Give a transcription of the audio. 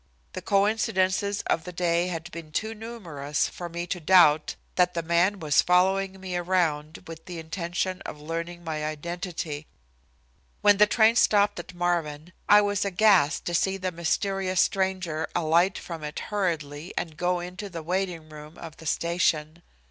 The coincidences of the day had been too numerous for me to doubt that the man was following me around with the intention of learning my identity. When the train stopped at Marvin I was aghast to see the mysterious stranger alight from it hurriedly and go into the waiting room of the station.